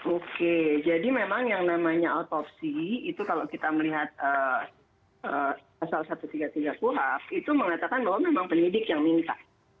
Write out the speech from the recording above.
oke jadi memang yang namanya otopsi itu kalau kita melihat pasal satu ratus tiga puluh tiga kuhap itu mengatakan bahwa memang penyidik yang minta